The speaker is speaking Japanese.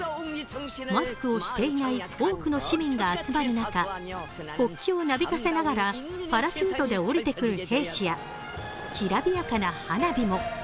マスクをしていない多くの市民が集まる中、国旗をなびかせながらパラシュートで降りてくる兵士やきらびやかな花火も。